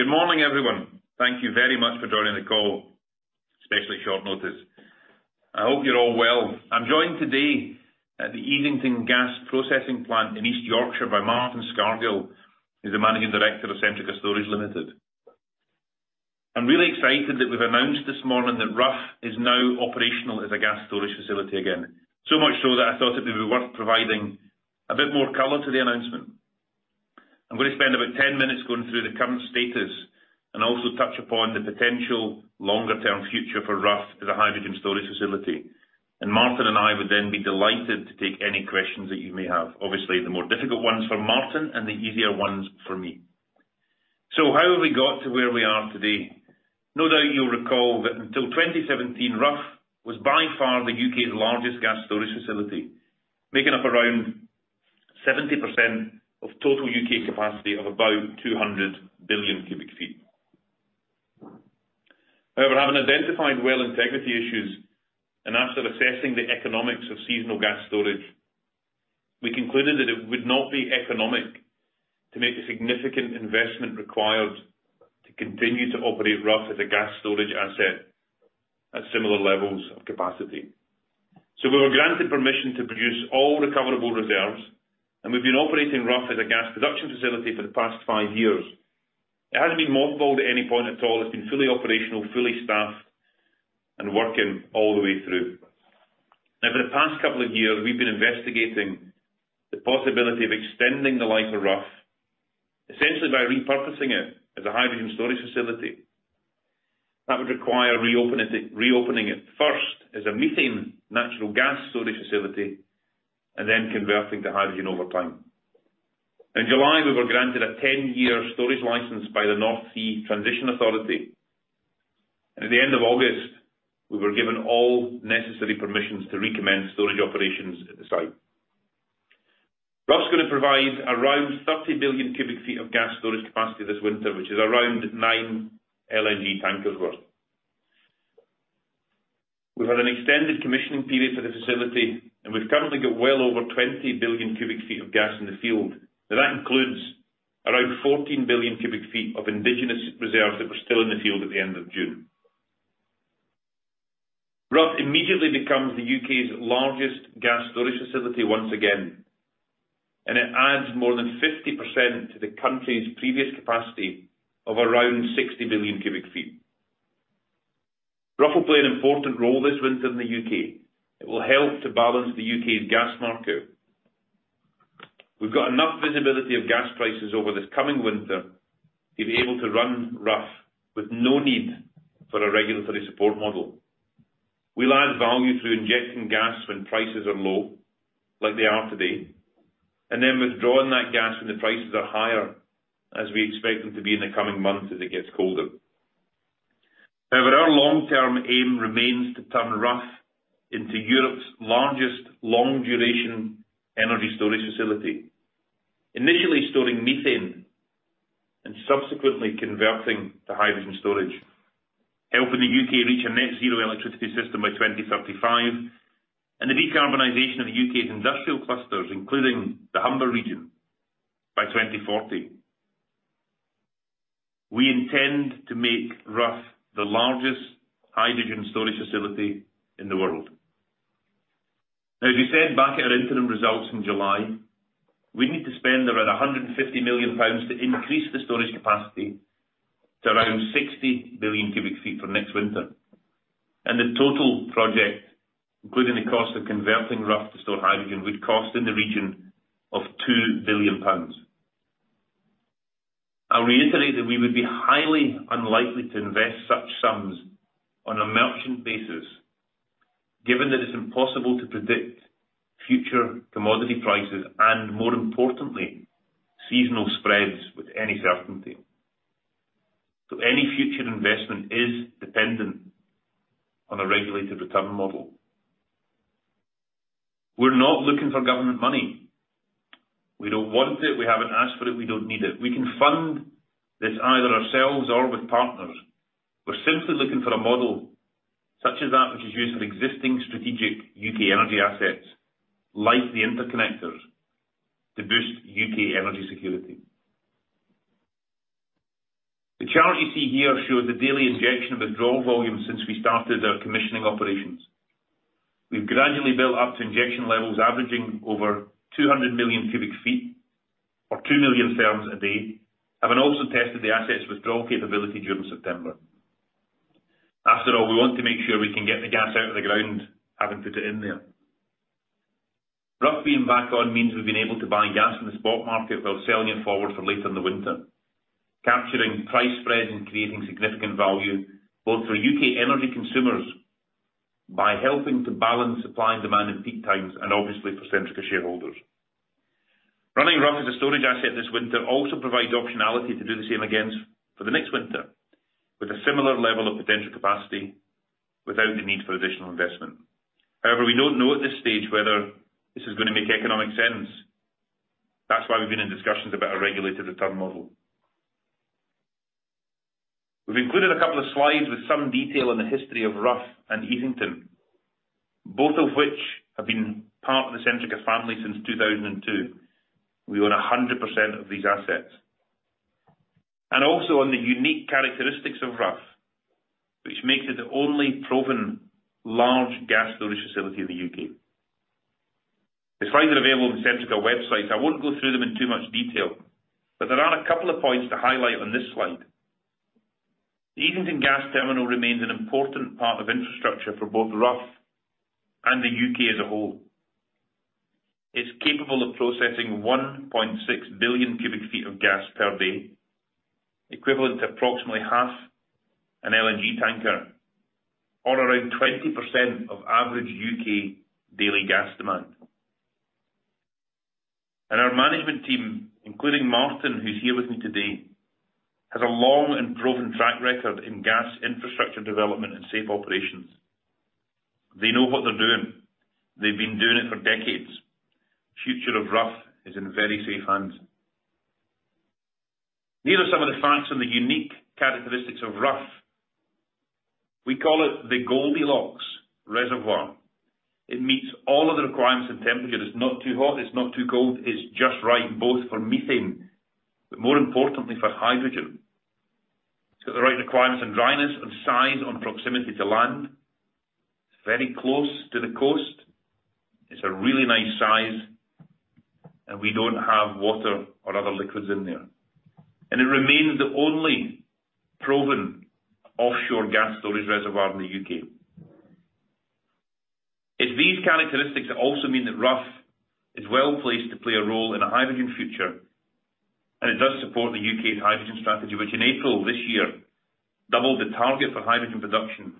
Good morning, everyone. Thank you very much for joining the call, especially short notice. I hope you're all well. I'm joined today at the Easington Gas Processing Plant in East Yorkshire by Martin Scargill, he's the Managing Director of Centrica Storage Limited. I'm really excited that we've announced this morning that Rough is now operational as a gas storage facility again. So much so that I thought it'd be worth providing a bit more color to the announcement. I'm going to spend about 10 minutes going through the current status and also touch upon the potential longer-term future for Rough as a hydrogen storage facility. Martin and I would then be delighted to take any questions that you may have. Obviously, the more difficult ones for Martin and the easier ones for me. How have we got to where we are today? No doubt you'll recall that until 2017, Rough was by far the U.K.'s largest gas storage facility, making up around 70% of total U.K. capacity of about 200 billion cubic feet. However, having identified well integrity issues and after assessing the economics of seasonal gas storage, we concluded that it would not be economic to make the significant investment required to continue to operate Rough as a gas storage asset at similar levels of capacity. We were granted permission to produce all recoverable reserves, and we've been operating Rough as a gas production facility for the past 5 years. It hasn't been mothballed at any point at all. It's been fully operational, fully staffed, and working all the way through. Now, for the past couple of years, we've been investigating the possibility of extending the life of Rough, essentially by repurposing it as a hydrogen storage facility. That would require reopening it first as a methane natural gas storage facility and then converting to hydrogen over time. In July, we were granted a 10-year storage license by the North Sea Transition Authority. At the end of August, we were given all necessary permissions to resume storage operations at the site. Rough's going to provide around 30 billion cubic feet of gas storage capacity this winter, which is around 9 LNG tankers worth. We've had an extended commissioning period for the facility, and we've currently got well over 20 billion cubic feet of gas in the field. Now, that includes around 14 billion cubic feet of indigenous reserves that were still in the field at the end of June. Rough immediately becomes the U.K.'s largest gas storage facility once again, and it adds more than 50% to the country's previous capacity of around 60 billion cubic feet. Rough will play an important role this winter in the U.K. It will help to balance the U.K.'s gas market. We've got enough visibility of gas prices over this coming winter to be able to run Rough with no need for a regulatory support model. We'll add value through injecting gas when prices are low, like they are today, and then withdrawing that gas when the prices are higher, as we expect them to be in the coming months as it gets colder. However, our long-term aim remains to turn Rough into Europe's largest long-duration energy storage facility. Initially, storing methane and subsequently converting to hydrogen storage, helping the U.K. reach a net zero electricity system by 2035 and the decarbonization of the U.K.'s industrial clusters, including the Humber region, by 2040. We intend to make Rough the largest hydrogen storage facility in the world. Now, as we said back at our interim results in July, we need to spend around 150 million pounds to increase the storage capacity to around 60 billion cubic feet for next winter. The total project, including the cost of converting Rough to store hydrogen, would cost in the region of 2 billion pounds. I'll reiterate that we would be highly unlikely to invest such sums on a merchant basis, given that it's impossible to predict future commodity prices and more importantly, seasonal spreads with any certainty. Any future investment is dependent on a regulated return model. We're not looking for government money. We don't want it, we haven't asked for it, we don't need it. We can fund this either ourselves or with partners. We're simply looking for a model such as that which is used for existing strategic U.K. energy assets, like the interconnectors to boost U.K. energy security. The chart you see here shows the daily injection withdrawal volume since we started our commissioning operations. We've gradually built up to injection levels averaging over 200 million cubic feet or 2 million therms a day, and we also tested the asset's withdrawal capability during September. After all, we want to make sure we can get the gas out of the ground, having put it in there. Rough being back on means we've been able to buy gas from the spot market while selling it forward for later in the winter, capturing price spread and creating significant value both for UK energy consumers by helping to balance supply and demand at peak times and obviously for Centrica shareholders. Running Rough as a storage asset this winter also provides the optionality to do the same again for the next winter with a similar level of potential capacity without the need for additional investment. However, we don't know at this stage whether this is going to make economic sense. That's why we've been in discussions about a regulated return model. We've included a couple of slides with some detail on the history of Rough and Easington. Both of which have been part of the Centrica family since 2002. We own 100% of these assets. Also on the unique characteristics of Rough, which makes it the only proven large gas storage facility in the UK. They're freely available on the Centrica website. I won't go through them in too much detail, but there are a couple of points to highlight on this slide. The Easington gas terminal remains an important part of infrastructure for both Rough and the UK as a whole. It's capable of processing 1.6 billion cubic feet of gas per day, equivalent to approximately half an LNG tanker or around 20% of average UK daily gas demand. Our management team, including Martin, who's here with me today, has a long and proven track record in gas infrastructure development and safe operations. They know what they're doing. They've been doing it for decades. Future of Rough is in very safe hands. These are some of the facts and the unique characteristics of Rough. We call it the Goldilocks reservoir. It meets all of the requirements and temperature. It's not too hot. It's not too cold. It's just right, both for methane, but more importantly for hydrogen. It's got the right requirements and dryness and size on proximity to land. It's very close to the coast. It's a really nice size, and we don't have water or other liquids in there. It remains the only proven offshore gas storage reservoir in the U.K. It's these characteristics that also mean that Rough is well-placed to play a role in a hydrogen future, and it does support the U.K.'s hydrogen strategy, which in April this year, doubled the target for hydrogen production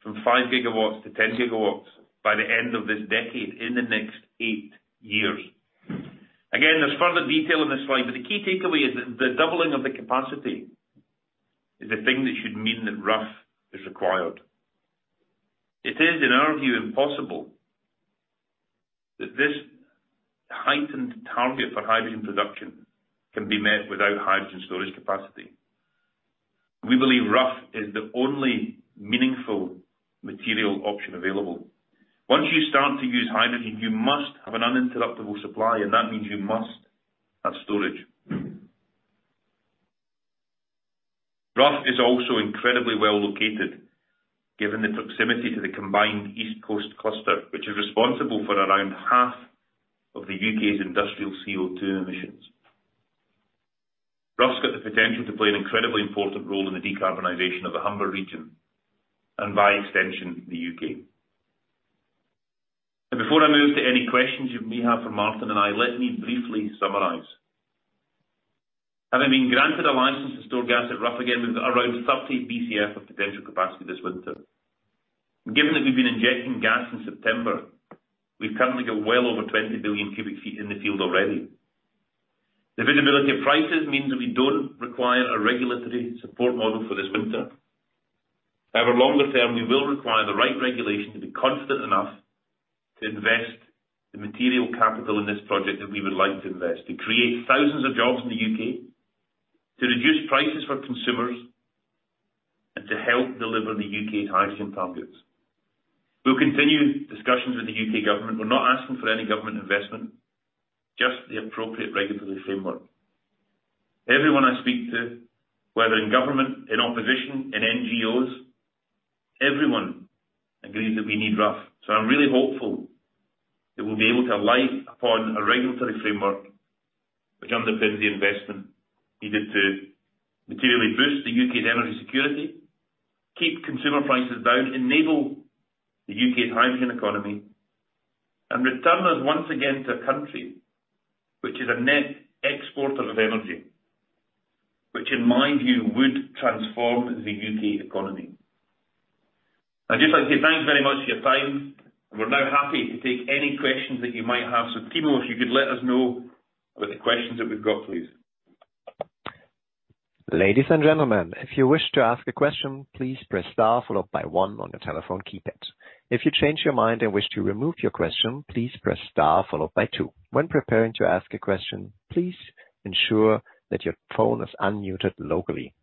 from 5 gigawatts to 10 gigawatts by the end of this decade, in the next eight years. Again, there's further detail on this slide, but the key takeaway is that the doubling of the capacity is the thing that should mean that Rough is required. It is, in our view, impossible that this heightened target for hydrogen production can be met without hydrogen storage capacity. We believe Rough is the only meaningful material option available. Once you start to use hydrogen, you must have an uninterruptible supply, and that means you must have storage. Rough is also incredibly well located, given the proximity to the combined East Coast Cluster, which is responsible for around half of the UK's industrial CO2 emissions. Rough's got the potential to play an incredibly important role in the decarbonization of the Humber region and by extension, the UK. Before I move to any questions you may have for Martin and I, let me briefly summarize. Having been granted a license to store gas at Rough again, we've got around 30 BCF of potential capacity this winter. Given that we've been injecting gas in September, we've currently got well over 20 billion cubic feet in the field already. The visibility of prices means that we don't require a regulatory support model for this winter. However, longer term, we will require the right regulation to be confident enough to invest the material capital in this project that we would like to invest, to create thousands of jobs in the U.K., to reduce prices for consumers, and to help deliver the U.K.'s hydrogen targets. We'll continue discussions with the U.K. government. We're not asking for any government investment, just the appropriate regulatory framework. Everyone I speak to, whether in government, in opposition, in NGOs, everyone agrees that we need Rough. I'm really hopeful that we'll be able to rely upon a regulatory framework which underpins the investment needed to materially boost the U.K.'s energy security, keep consumer prices down, enable the U.K.'s hydrogen economy and return us once again to a country which is a net exporter of energy, which in my view would transform the U.K. economy. I'd just like to say thanks very much for your time, and we're now happy to take any questions that you might have. Timo, if you could let us know about the questions that we've got, please. Ladies and gentlemen, if you wish to ask a question, please press star followed by one on your telephone keypad. If you change your mind and wish to remove your question, please press star followed by two. When preparing to ask a question, please ensure that your phone is unmuted locally.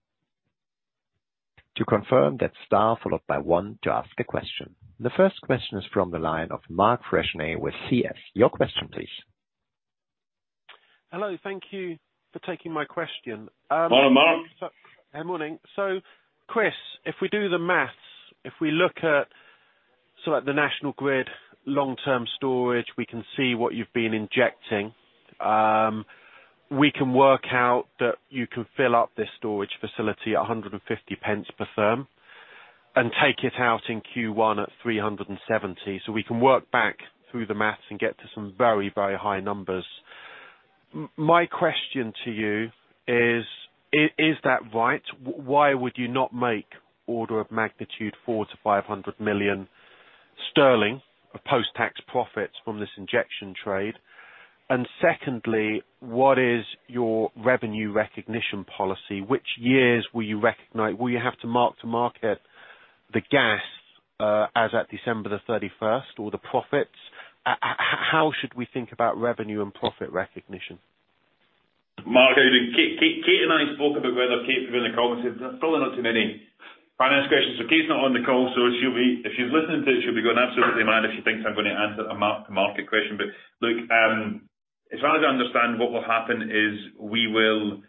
To confirm, that's star followed by one to ask a question. The first question is from the line of Mark Freshney with Credit Suisse. Your question, please. Hello. Thank you for taking my question. Morning, Mark. Hey, morning. Chris, if we do the math, if we look at sort of the National Grid long-term storage, we can see what you've been injecting. We can work out that you can fill up this storage facility at 150 pence per therm and take it out in Q1 at 370. We can work back through the math and get to some very, very high numbers. My question to you is that right? Why would you not make order of magnitude 400-500 million sterling of post-tax profits from this injection trade? Secondly, what is your revenue recognition policy? Which years will you recognize? Will you have to mark-to-market the gas as at December 31 or the profits? How should we think about revenue and profit recognition? Mark, how you doing? Kate and I spoke about whether Kate could be on the call. She said probably not too many finance questions. Kate's not on the call, so she'll be. If she's listening to this, she'll be going absolutely mad if she thinks I'm going to answer a mark-to-market question. Look, as long as you understand what will happen is we will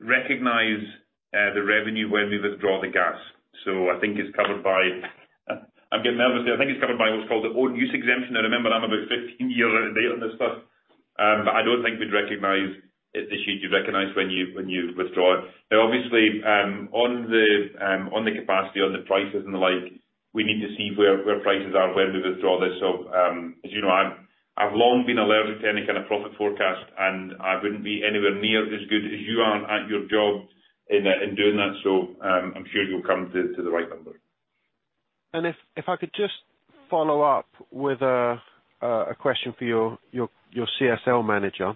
recognize the revenue when we withdraw the gas. I think it's covered by what's called the own use exemption. Now, remember I'm about 15 years out of date on this stuff. I don't think we'd recognize it's issued. You recognize when you withdraw it. Now obviously, on the capacity, on the prices and the like, we need to see where prices are when we withdraw this. As I've long been allergic to any kind of profit forecast, and I wouldn't be anywhere near as good as you are at your job in doing that. I'm sure you'll come to the right number. If I could just follow up with a question for your CSL manager.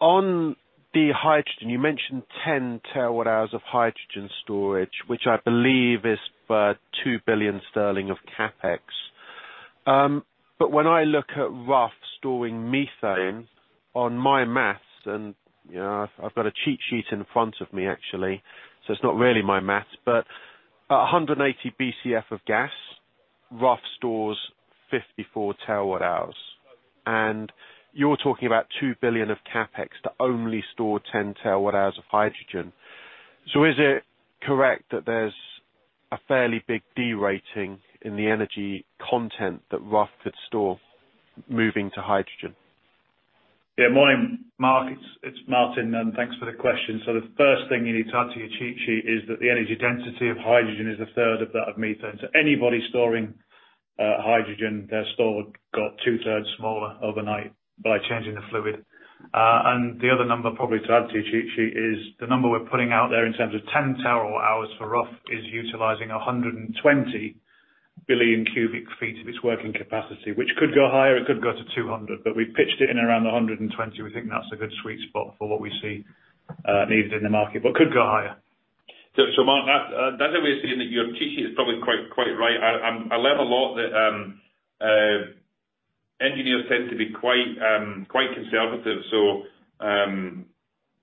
On the hydrogen, you mentioned 10 terawatt-hours of hydrogen storage, which I believe is about 2 billion sterling of CapEx. But when I look at Rough storing methane, on my math, and I've got a cheat sheet in front of me, actually, so it's not really my math, but 180 BCF of gas, Rough stores 54 terawatt-hours. You're talking about 2 billion of CapEx to only store 10 terawatt-hours of hydrogen. Is it correct that there's a fairly big de-rating in the energy content that Rough could store moving to hydrogen? Yeah, morning, Mark. It's Martin, and thanks for the question. The first thing you need to add to your cheat sheet is that the energy density of hydrogen is a third of that of methane. Anybody storing hydrogen, their store got two-thirds smaller overnight by changing the fluid. The other number probably to add to your cheat sheet is the number we're putting out there in terms of 10 terawatt-hours for Rough is utilizing 120 billion cubic feet of its working capacity. Which could go higher, it could go to 200, but we pitched it in around the 120. We think that's a good sweet spot for what we see needed in the market, but could go higher. Mark, that's a way of saying that your cheat sheet is probably quite right. I learned a lot that engineers tend to be quite conservative.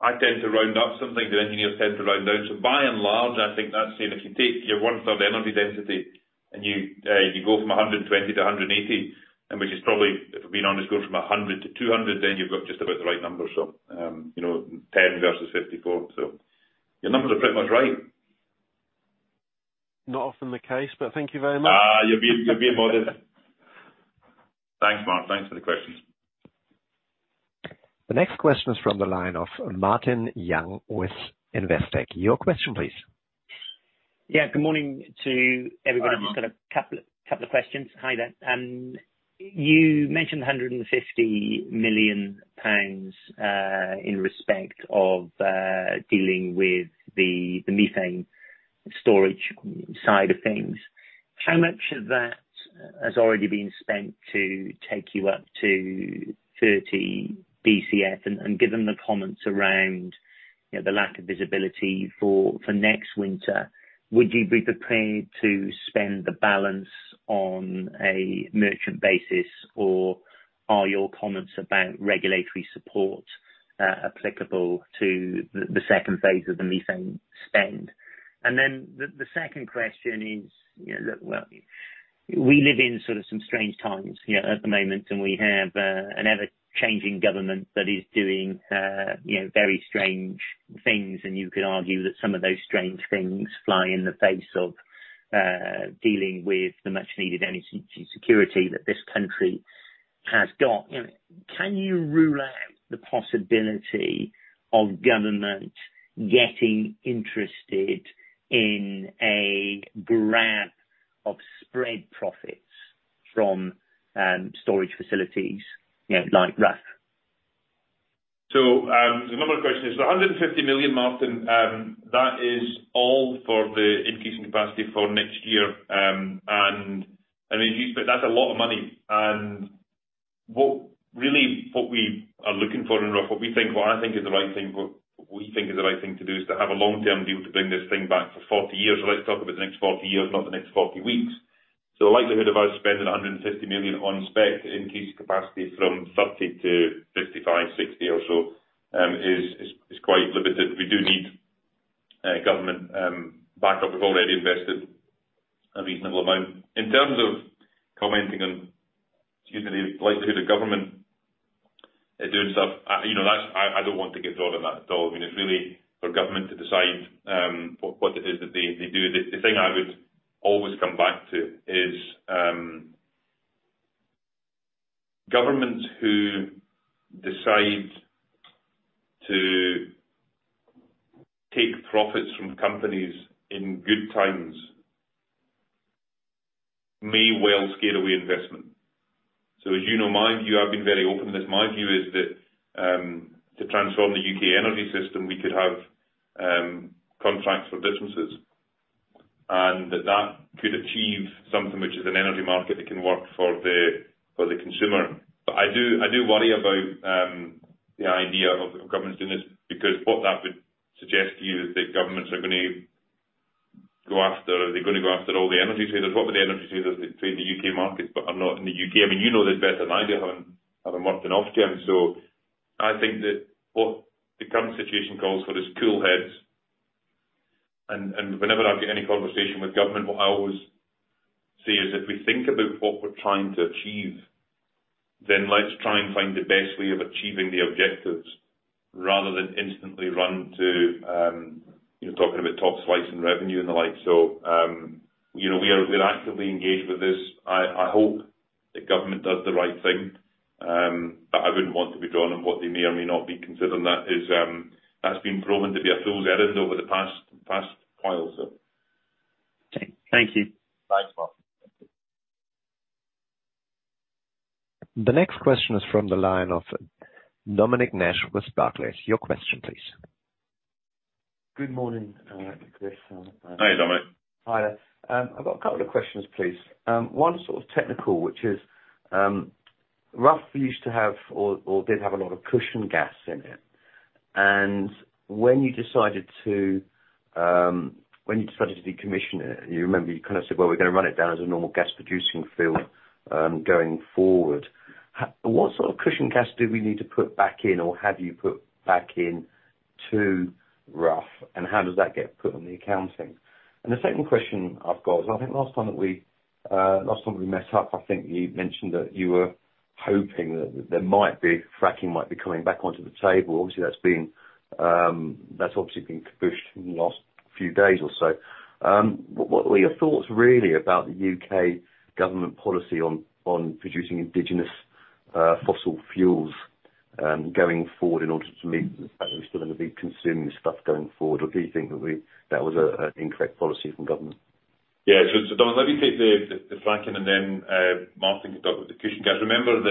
I tend to round up something the engineers tend to round down. By and large, I think that's saying if you take your one-third energy density and you go from 120 to 180, and which is probably, if we're being honest, go from 100 to 200, then you've got just about the right number. 10 versus 54. Your numbers are pretty much right. Not often the case, but thank you very much. You're being modest. Thanks, Mark. Thanks for the questions. The next question is from the line of Martin Young with Investec. Your question, please. Yeah, good morning to everybody. Hi, Martin. Just got a couple of questions. Hi there. You mentioned 150 million pounds in respect of dealing with the methane storage side of things. How much of that has already been spent to take you up to 30 BCF? Given the comments around the lack of visibility for next winter, would you be prepared to spend the balance on a merchant basis, or are your comments about regulatory support applicable to the second Phase of the methane spend? Then the second question is look, well, we live in sort of some strange times at the moment, and we have an ever-changing government that is doing very strange things. You could argue that some of those strange things fly in the face of dealing with the much needed energy security that this country has got. Can you rule out the possibility of government getting interested in a grab of spread profits from storage facilities like Rough? There's a number of questions. The 150 million, Martin, that is all for the increase in capacity for next year. I mean, you, but that's a lot of money. What we are looking for in Rough, what we think is the right thing to do is to have a long-term deal to bring this thing back for 40 years. Let's talk about the next 40 years, not the next 40 weeks. The likelihood of us spending 150 million on spec to increase capacity from 30 to 55, 60 or so is quite limited. We do need government backup. We've already invested a reasonable amount. In terms of commenting on, excuse me, the likelihood of government doing stuff that's. I don't want to get drawn on that at all. I mean, it's really for government to decide, what it is that they do. The thing I would always come back to is, governments who decide to take profits from companies in good times may well scare away investment. So as my view, I've been very open to this. My view is that, to transform the UK energy system, we could have, Contracts for Difference. That could achieve something which is an energy market that can work for the consumer. I do worry about the idea of governments doing this, because what that would suggest to you is that governments are going to go after, are they going to go after all the energy traders? What about the energy traders in the UK market but are not in the UK? I mean, you know this better than I do, having worked in Ofgem. I think that what the current situation calls for is cool heads. Whenever I have any conversation with government, what I always say is if we think about what we're trying to achieve, then let's try and find the best way of achieving the objectives rather than instantly run to talking about top slice and revenue and the like. We're actively engaged with this. I hope the government does the right thing. I wouldn't want to be drawn on what they may or may not be considering. That is, that's been proven to be a fool's errand over the past while, so. Okay. Thank you. Thanks, Martin. The next question is from the line of Dominic Nash with Barclays. Your question please. Good morning, Chris and Hey, Dominic. Hi there. I've got a couple of questions, please. One sort of technical, which is, Rough used to have or did have a lot of cushion gas in it. When you decided to decommission it, you remember you kind of said, "Well, we're going to run it down as a normal gas producing field, going forward." What sort of cushion gas do we need to put back in, or have you put back in to Rough, and how does that get put on the accounting? The second question I've got, I think last time we met up, I think you mentioned that you were hoping that there might be fracking coming back onto the table. Obviously, that's obviously been kiboshed in the last few days or so. What are your thoughts really about the UK government policy on producing indigenous fossil fuels going forward in order to meet the fact that we're still going to be consuming this stuff going forward? Or do you think that was an incorrect policy from government? Yeah. Dominic, let me take the fracking and then Martin can go with the cushion gas. Remember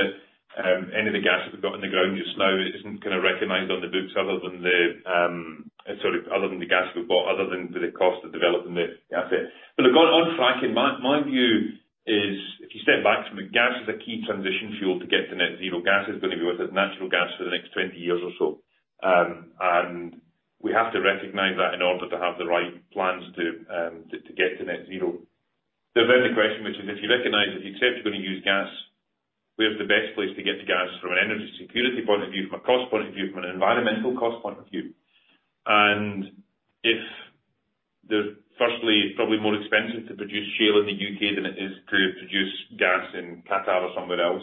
that any of the gas that we've got in the ground just now isn't going to recognize on the books other than the gas we've bought, other than the cost of developing the asset. Look, on fracking, my view is if you step back from it, gas is a key transition fuel to get to net zero. Gas is going to be with us, natural gas, for the next 20 years or so. We have to recognize that in order to have the right plans to get to net zero. The question, which is if you recognize it, you accept you're going to use gas, where's the best place to get the gas from an energy security point of view, from a cost point of view, from an environmental cost point of view? It's probably more expensive to produce shale in the U.K. than it is to produce gas in Qatar or somewhere else.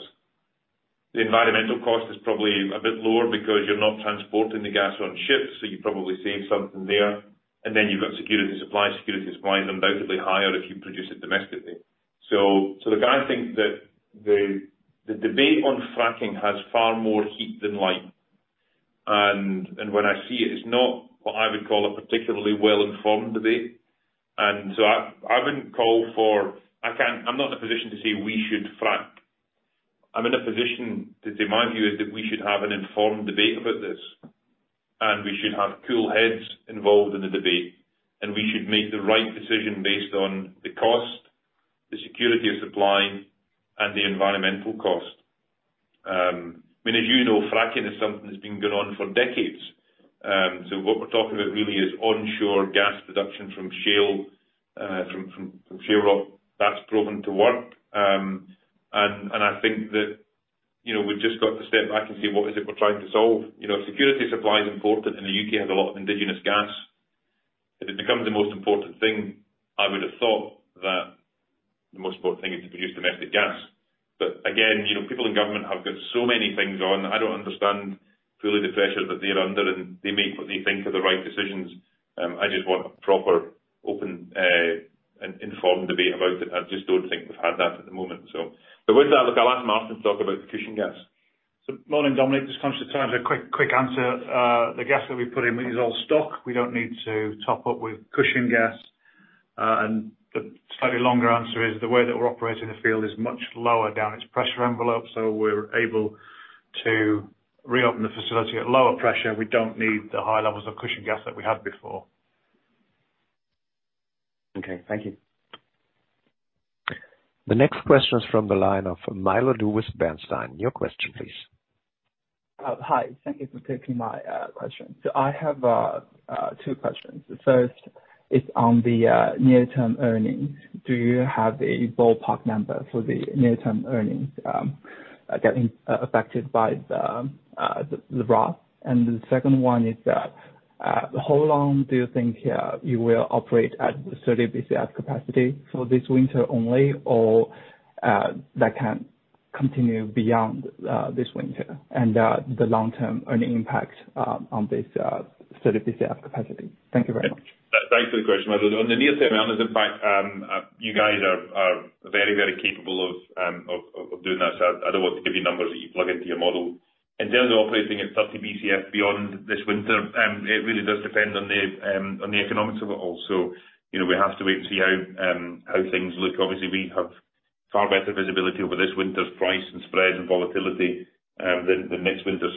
The environmental cost is probably a bit lower because you're not transporting the gas on ships, so you probably save something there. You've got security supply. Security supply is undoubtedly higher if you produce it domestically. Look, I think that the debate on fracking has far more heat than light. When I see it's not what I would call a particularly well-informed debate. I wouldn't call for. I'm not in a position to say we should frack. I'm in a position to say my view is that we should have an informed debate about this, and we should have cool heads involved in the debate, and we should make the right decision based on the cost, the security of supply, and the environmental cost. I mean, as fracking is something that's been going on for decades. So what we're talking about really is onshore gas production from shale, from shale rock. That's proven to work. And I think that we've just got to step back and see what is it we're trying to solve. Security supply is important, and the UK has a lot of indigenous gas. If it becomes the most important thing, I would have thought that the most important thing is to produce domestic gas. again people in government have got so many things on. I don't understand fully the pressures that they're under, and they make what they think are the right decisions. I just want a proper, open, and informed debate about it. I just don't think we've had that at the moment. With that, look, I'll ask Martin to talk about the cushion gas. Morning, Dominic. Just conscious of time, a quick answer. The gas that we put in is all stock. We don't need to top up with cushion gas. The slightly longer answer is the way that we're operating the field is much lower down its pressure envelope. We're able to reopen the facility at lower pressure. We don't need the high levels of cushion gas that we had before. Okay. Thank you. The next question is from the line of Deepa Venkateswaran with Bernstein. Your question, please. Hi. Thank you for taking my question. I have two questions. The first is on the near-term earnings. Do you have a ballpark number for the near-term earnings getting affected by the Rough? The second one is that how long do you think you will operate at 30 BCF capacity? For this winter only or that can continue beyond this winter and the long-term earning impact on this 30 BCF capacity? Thank you very much. Thanks for the question. On the near-term earnings impact, you guys are very capable of doing that, so I don't want to give you numbers that you plug into your model. In terms of operating at 30 BCF beyond this winter, it really does depend on the economics of it all. We have to wait to see how things look. Obviously, we have far better visibility over this winter's price and spreads and volatility than next winter.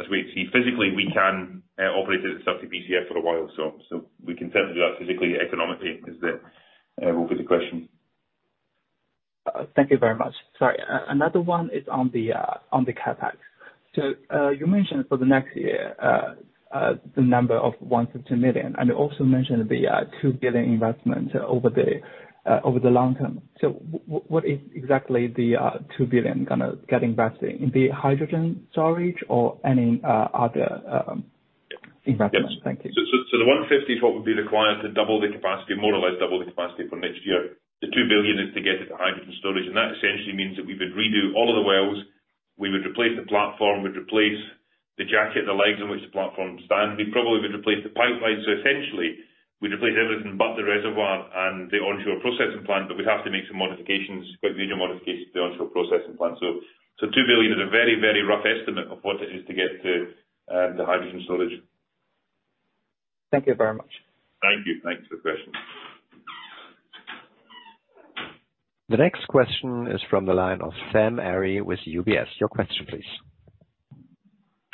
As we see physically, we can operate it at 30 BCF for a while, so we can certainly do that physically. Economically will be the question. Thank you very much. Sorry, another one is on the CapEx. You mentioned for the next year the number of 150 million, and you also mentioned the 2 billion investment over the long term. What is exactly the 2 billion going to get invested? In the hydrogen storage or any other investment? Yes. Thank you. The 150 million is what would be required to double the capacity, more or less double the capacity for next year. The 2 billion is to get it to hydrogen storage. That essentially means that we would redo all of the wells. We would replace the platform. We'd replace the jacket, the legs on which the platform stands. We'd probably replace the pipelines. Essentially, we replace everything but the reservoir and the onshore processing plant, but we'd have to make some modifications, quite major modifications to the onshore processing plant. 2 billion is a very, very rough estimate of what it is to get to the hydrogen storage. Thank you very much. Thank you. Thanks for the question. The next question is from the line of Sam Arie with UBS. Your question please.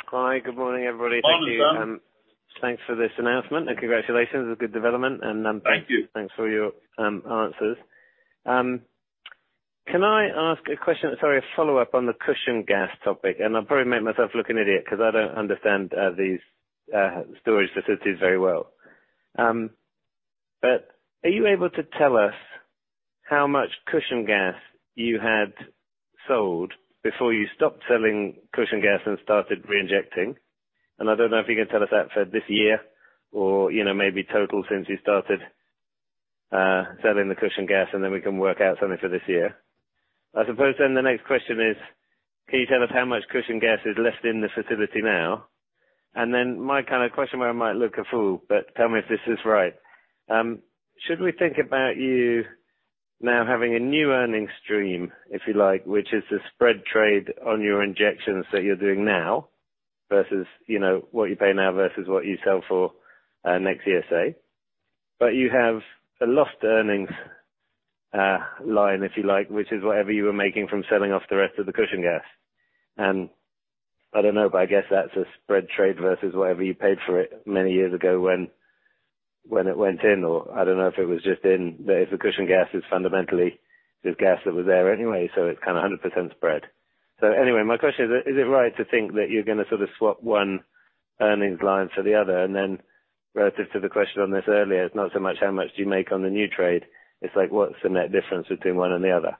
Hi, good morning, everybody. Morning, Sam. Thank you. Thanks for this announcement, and congratulations. It's a good development. Thank you. Thanks for your answers. Can I ask a question? Sorry, a follow-up on the cushion gas topic. I'll probably make myself look an idiot 'cause I don't understand these storage facilities very well. But are you able to tell us how much cushion gas you had sold before you stopped selling cushion gas and started reinjecting? I don't know if you can tell us that for this year or maybe total since you started selling the cushion gas, and then we can work out something for this year. I suppose the next question is, can you tell us how much cushion gas is left in the facility now? Then my kind of question where I might look a fool, but tell me if this is right. Should we think about you now having a new earnings stream, if you like, which is the spread trade on your injections that you're doing now versus what you pay now versus what you sell for next winter? You have a lost earnings line, if you like, which is whatever you were making from selling off the rest of the cushion gas. I don't know, but I guess that's a spread trade versus whatever you paid for it many years ago when it went in, or I don't know if it was just in the. If the cushion gas is fundamentally the gas that was there anyway, so it's kinda 100% spread. Anyway, my question is it right to think that you're going to sort of swap one earnings line for the other? Relative to the question on this earlier, it's not so much how much do you make on the new trade, it's like, what's the net difference between one and the other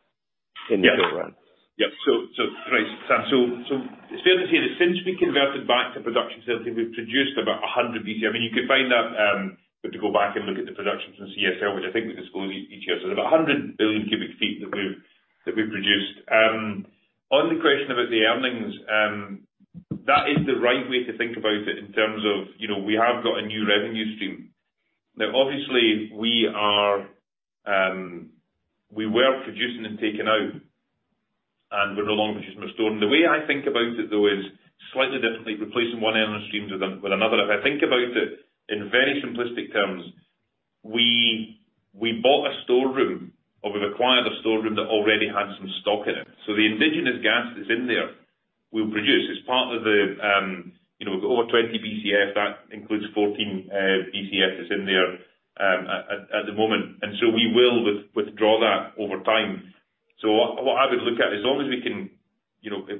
in the short run? It's fair to say that since we converted back to production facility, we've produced about 100 BCF. I mean, you could find that if you go back and look at the productions in CSL, which I think we disclose each year. About 100 billion cubic feet that we've produced. On the question about the earnings, that is the right way to think about it in terms of we have got a new revenue stream. Now, obviously, we were producing and taking out, and we're no longer just storing. The way I think about it, though, is slightly differently, replacing one earnings stream with another. If I think about it in very simplistic terms, we bought a storeroom, or we've acquired a storeroom that already had some stock in it. The indigenous gas that's in there we'll produce. It's part of the we've got over 20 BCF. That includes 14 BCFs in there at the moment. We will withdraw that over time. What I would look at, as long as we can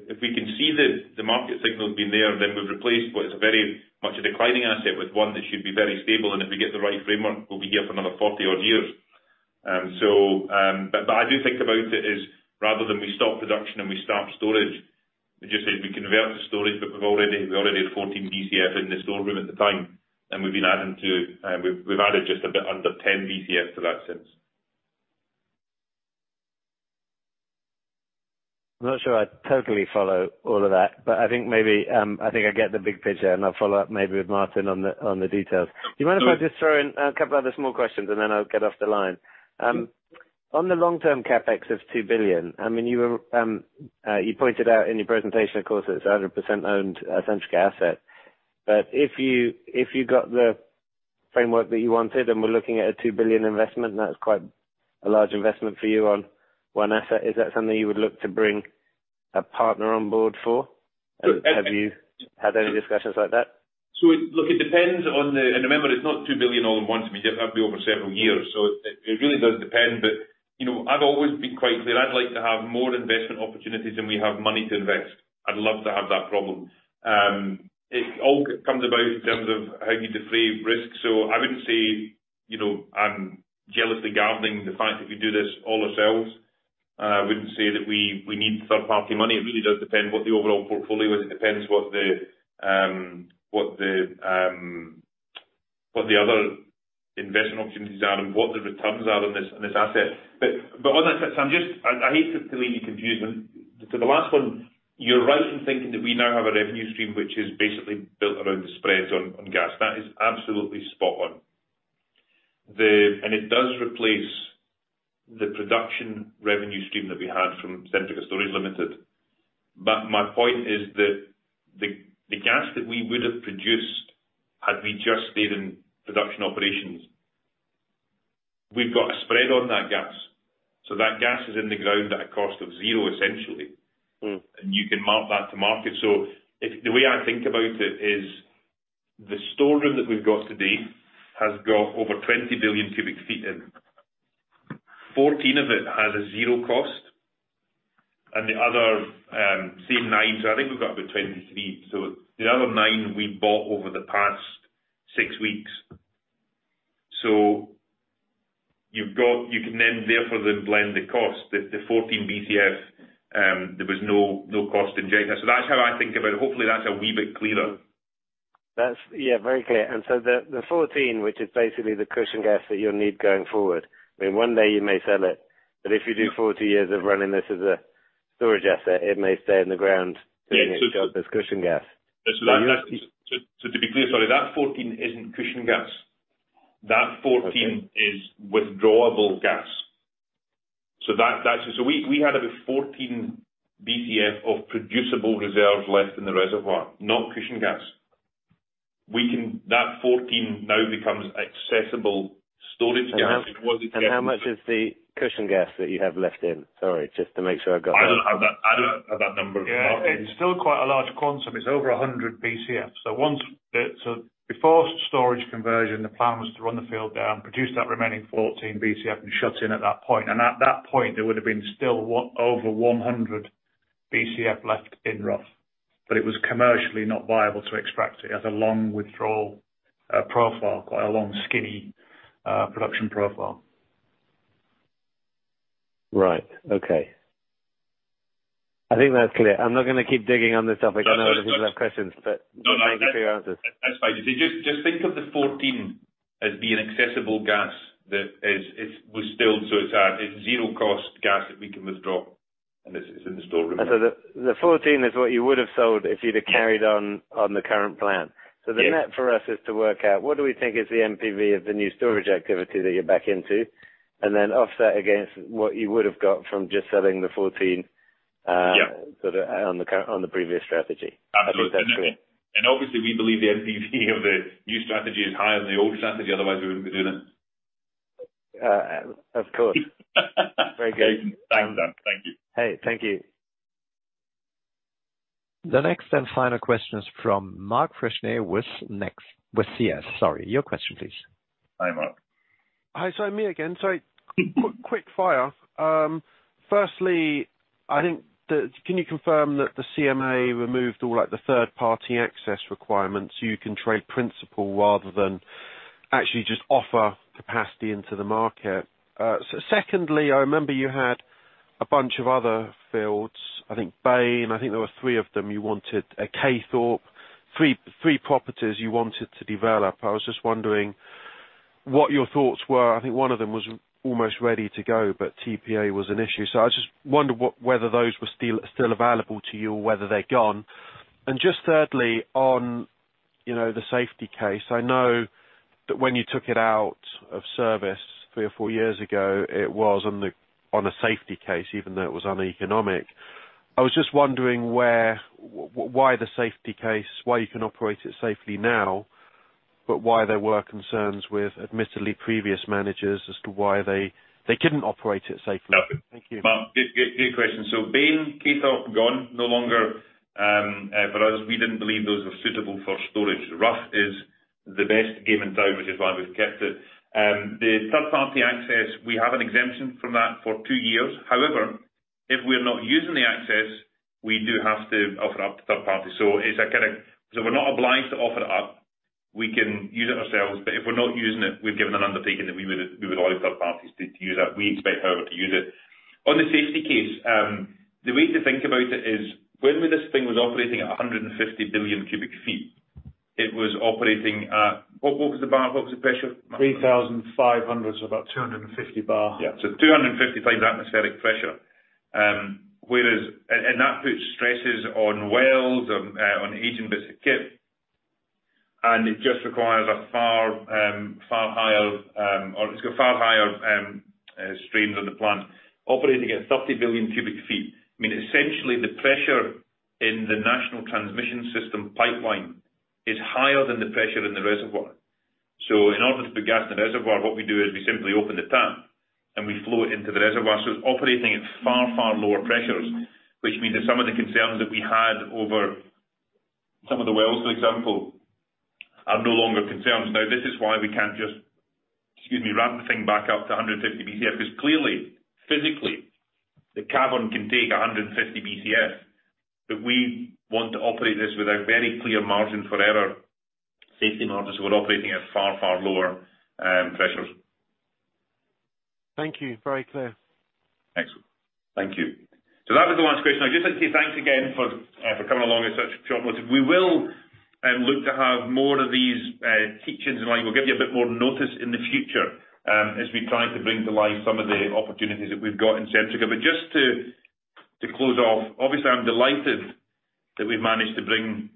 if we can see the market signal being there, then we've replaced what is a very much a declining asset with one that should be very stable. If we get the right framework, we'll be here for another 40-odd years. I do think about it as rather than we stop production and we start storage, we just say we convert to storage, but we already had 14 BCF in the storage at the time. We've added just a bit under 10 BCF to that since. I'm not sure I totally follow all of that, but I think I get the big picture, and I'll follow up maybe with Martin on the details. So- Do you mind if I just throw in a couple other small questions, and then I'll get off the line? On the long-term CapEx of 2 billion, I mean, you pointed out in your presentation, of course, it's 100% owned, Centrica asset. If you got the framework that you wanted and were looking at a 2 billion investment, and that's quite a large investment for you on one asset, is that something you would look to bring a partner on board for? Look, it. Have you had any discussions like that? Look, it depends on the. Remember, it's not 2 billion all in one. I mean, that'd be over several years. It really does depend. I've always been quite clear. I'd like to have more investment opportunities than we have money to invest. I'd love to have that problem. It all comes about in terms of how you defray risk. I wouldn't say I'm jealously guarding the fact that we do this all ourselves. I wouldn't say that we need third-party money. It really does depend what the overall portfolio is. It depends what the other investment opportunities are and what the returns are on this asset. But on that, Sam, just, I hate to leave you confused. The last one, you're right in thinking that we now have a revenue stream which is basically built around the spreads on gas. That is absolutely spot on. It does replace the production revenue stream that we had from Centrica Storage Limited. My point is that the gas that we would have produced had we just stayed in production operations, we've got a spread on that gas. That gas is in the ground at a cost of zero, essentially. You can mark that to market. The way I think about it is the storage room that we've got today has got over 20 billion cubic feet in. Fourteen of it has a zero cost. The other, say 9, so I think we've got about 23. The other nine we bought over the past six weeks. You can then therefore then blend the cost. The 14 BCF, there was no cost to inject it. That's how I think about it. Hopefully, that's a wee bit clearer. Yeah, that's very clear. The 14, which is basically the cushion gas that you'll need going forward. I mean, one day you may sell it, but if you do 40 years of running this as a storage asset, it may stay in the ground. Yeah. as cushion gas. To be clear, sorry, that 14 isn't cushion gas. Okay. is withdrawable gas. That is, we had about 14 BCF of producible reserves left in the reservoir, not cushion gas. That 14 now becomes accessible storage gas. How much is the cushion gas that you have left in? Sorry, just to make sure I've got that. I don't have that number. It's still quite a large quantum. It's over 100 BCF. Before storage conversion, the plan was to run the field down, produce that remaining 14 BCF and shut in at that point. At that point, there would have been still over 100 BCF left in Rough. It was commercially not viable to extract it. It has a long withdrawal profile, quite a long, skinny production profile. Right. Okay. I think that's clear. I'm not going to keep digging on this topic. No, no. I know other people have questions. No, no. Want to get clear answers. That's fine. Just think of the 14 as being accessible gas. That is, it was still, so it's at zero cost gas that we can withdraw, and it's in the storeroom. The 14 is what you would have sold if you'd have carried on the current plan. Yeah. The net for us is to work out what do we think is the NPV of the new storage activity that you're back into, and then offset against what you would have got from just selling the 14. Yeah. on the previous strategy. Absolutely. I think that's clear. Obviously, we believe the NPV of the new strategy is higher than the old strategy, otherwise we wouldn't be doing this. Of course. Very good. Thanks, Sam Arie. Thank you. Hey, thank you. The next and final question is from Mark Freshney with CS, sorry. Your question, please. Hi, Mark. Hi. So me again. Sorry. Quick fire. Firstly, I think. Can you confirm that the CMA removed all like the third-party access requirements so you can trade principal rather than actually just offer capacity into the market? Secondly, I remember you had a bunch of other fields. I think Baird, and I think there were three of them you wanted. Caythorpe. Three properties you wanted to develop. I was just wondering what your thoughts were. I think one of them was almost ready to go, but TPA was an issue. I just wonder what whether those were still available to you or whether they're gone. Just thirdly, on you know the safety case. I know that when you took it out of service three or four years ago, it was on a safety case, even though it was uneconomic. I was just wondering where, why the safety case, why you can operate it safely now, but why there were concerns with admittedly previous managers as to why they couldn't operate it safely? No. Thank you. Mark, good question. Baird and Caythorpe gone, no longer for us. We didn't believe those were suitable for storage. Rough is the best game in town, which is why we've kept it. The third-party access, we have an exemption from that for two years. However, if we're not using the access, we do have to offer up to third party. We're not obliged to offer it up. We can use it ourselves. If we're not using it, we've given an undertaking that we would allow third parties to use it. We expect however to use it. On the safety case, the way to think about it is when this thing was operating at 150 billion cubic feet, it was operating at. What was the bar? What was the pressure? 3,500, so about 250 bar. 250 times atmospheric pressure. Whereas and that puts stresses on wells and on aging bits of kit. It just requires far higher strains on the plant operating at 30 BCF. I mean, essentially the pressure in the National Transmission System pipeline is higher than the pressure in the reservoir. In order to put gas in the reservoir, what we do is we simply open the tap and we flow it into the reservoir. It's operating at far lower pressures, which means that some of the concerns that we had over some of the wells, for example, are no longer concerns. Now, this is why we can't just, excuse me, ramp the thing back up to 150 BCF. Because clearly, physically, the cavern can take 150 BCF. But we want to operate this with a very clear margin for error, safety margin. So we're operating at far, far lower pressures. Thank you. Very clear. Excellent. Thank you. That was the last question. I'd just like to say thanks again for coming along at such short notice. We will look to have more of these teach-ins and we will give you a bit more notice in the future as we try to bring to life some of the opportunities that we've got in Centrica. Just to close off, obviously, I'm delighted that we've managed to bring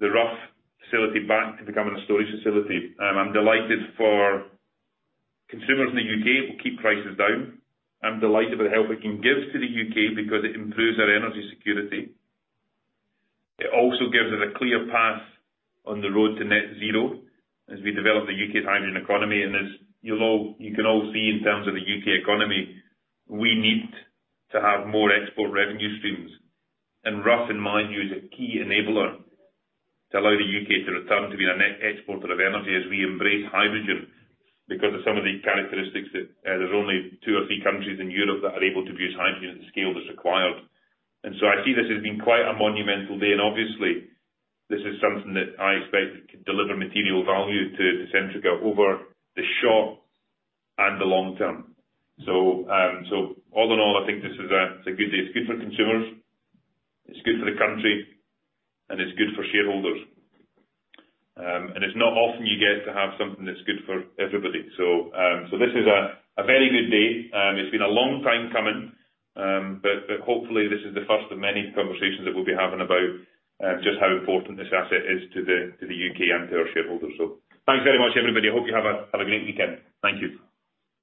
the Rough facility back to becoming a storage facility. I'm delighted for consumers in the UK. It will keep prices down. I'm delighted with the help it can give to the UK because it improves our energy security. It also gives us a clear path on the road to net zero as we develop the UK's hydrogen economy. You'll all see in terms of the U.K. economy, we need to have more export revenue streams. Rough in mind is a key enabler to allow the U.K. to return to be a net exporter of energy as we embrace hydrogen because of some of the characteristics that there's only two or three countries in Europe that are able to produce hydrogen at the scale that's required. I see this as being quite a monumental day. Obviously, this is something that I expect could deliver material value to Centrica over the short and the long term. All in all, I think it's a good day. It's good for consumers, it's good for the country, and it's good for shareholders. It's not often you get to have something that's good for everybody. This is a very good day. It's been a long time coming. Hopefully, this is the first of many conversations that we'll be having about just how important this asset is to the UK and to our shareholders. Thanks very much, everybody. I hope you have a great weekend. Thank you.